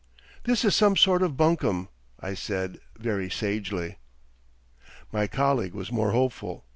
"This is some sort of Bunkum," I said very sagely. 'My colleague was more hopeful.